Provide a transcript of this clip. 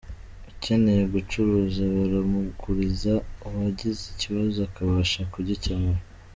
Ukeneye gucuruza baramuguriza, uwagize ikibazo akabasha kugikemura.